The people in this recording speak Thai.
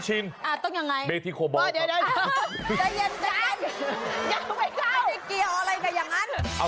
สวัสดีครับ